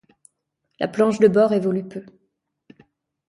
La planche de bord évolue peu.